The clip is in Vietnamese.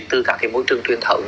từ các môi trường tuyên thống